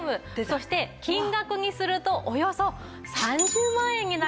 そして金額にするとおよそ３０万円になります。